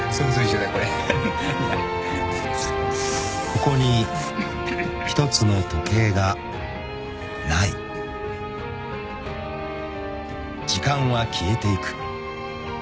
［ここに一つの時計がない］［時間は消えていく］